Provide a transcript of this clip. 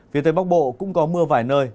phía tây bắc bộ cũng có mưa vài nơi